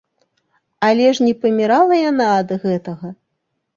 Але ж не памірала яна ад гэтага!